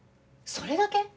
それだけ？